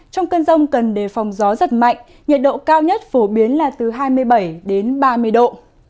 trong cơn rông cần đề phòng gió giật mạnh nhiệt độ cao nhất phổ biến là từ hai mươi bảy đến ba mươi độ